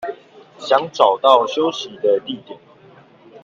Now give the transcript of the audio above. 想找到休息的地點